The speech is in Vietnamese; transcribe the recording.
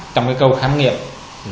trong câu khám nghiệm